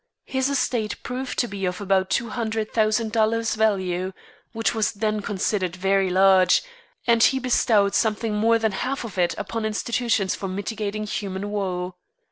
His estate proved to be of about two hundred thousand dollars value, which was then considered very large, and he bestowed something more than half of it upon institutions for mitigating human woe.